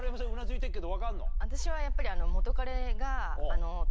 私はやっぱり。